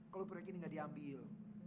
kalau break ini gak diambil